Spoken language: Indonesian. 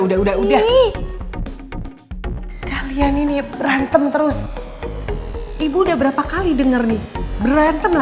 hah udah udah udah inheritance